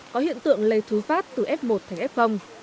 có hiện tượng lây thú phát từ f một thành f